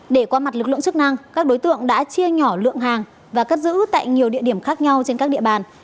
để qua mặt lực lượng chức năng các đối tượng đã chia nhỏ lượng hàng và cất giữ tại nhiều địa điểm khác nhau trên các địa bàn